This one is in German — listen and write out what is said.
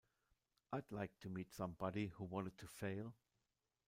I'd like to meet somebody who wanted to fail.